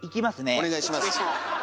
お願いします。